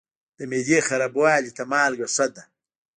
د معدې خرابوالي ته مالګه ښه ده.